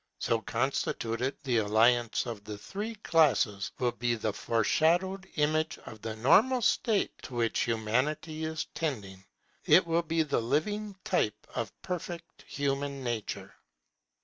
So constituted, the alliance of the three classes will be the foreshadowed image of the normal state to which Humanity is tending. It will be the living type of perfect human nature.